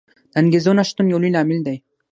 د انګېزو نه شتون یو لوی لامل دی.